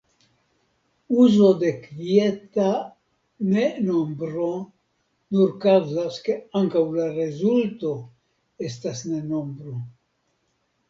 Uzo de kvieta ne nombro nur kaŭzas ke ankaŭ la rezulto estas ne nombro.